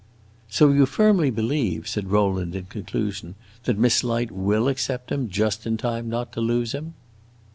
'" "So you firmly believe," said Rowland, in conclusion, "that Miss Light will accept him just in time not to lose him!"